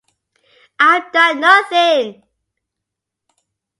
I've done nothing!